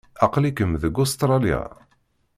Aql-ikem deg Ustṛalya?